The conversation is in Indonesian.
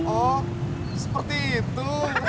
oh seperti itu